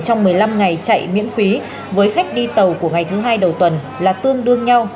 trong một mươi năm ngày chạy miễn phí với khách đi tàu của ngày thứ hai đầu tuần là tương đương nhau